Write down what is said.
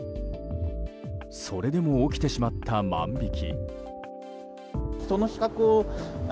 それでも起きてしまった万引き。